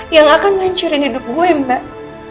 yang akan menghancurkan hidup gue mbak